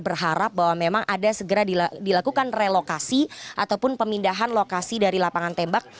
berharap bahwa memang ada segera dilakukan relokasi ataupun pemindahan lokasi dari lapangan tembak